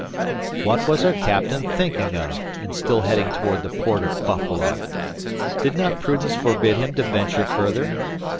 What was our captain thinking of in still heading toward the port of Buffalo! Did not prudence forbid him to venture further?